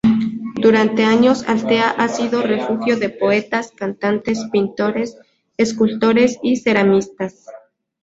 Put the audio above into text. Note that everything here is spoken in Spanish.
Durante años, Altea ha sido refugio de poetas, cantantes, pintores, escultores y ceramistas.